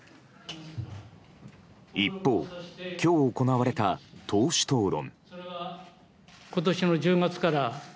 一方、今日行われた党首討論。